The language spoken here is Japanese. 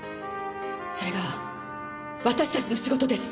それが私たちの仕事です。